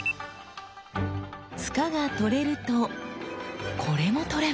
柄が取れるとこれも取れます。